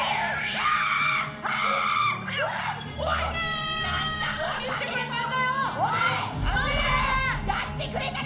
やってくれたな！